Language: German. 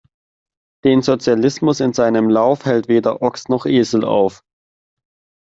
Den Sozialismus in seinem Lauf, hält weder Ochs noch Esel auf!